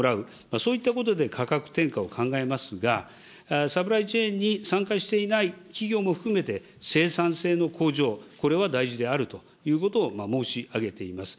そういったことで価格転嫁を考えますが、サプライチェーンに参加していない企業も含めて、生産性の向上、これは大事であるということを申し上げています。